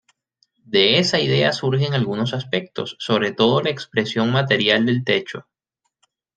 De esa idea surgen algunos aspectos, sobre todo la expresión material del techo.